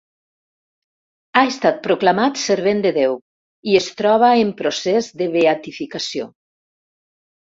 Ha estat proclamat servent de Déu i es troba en procés de beatificació.